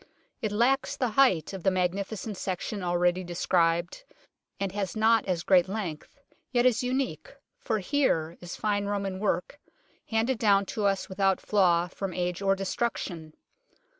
It lacks the height of the magnificent section already described, and has not as great length, yet is unique, for here is fine Roman work, handed down to us without flaw from age or destruction.